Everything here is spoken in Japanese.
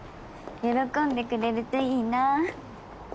喜んでくれるといいな。